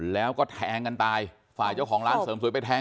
แล้วก็แทงกันตายฝ่ายเจ้าของร้านเสริมสวยไปแทง